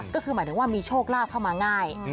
ก็คือหมายถึงว่ามีโชคลาภเข้ามาง่าย